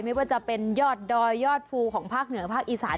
ไม่ว่าจะเป็นยอดดอยยอดภูของภาคเหนือภาคอีสาน